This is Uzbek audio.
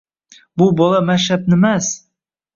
Bu bola Mashrabnimas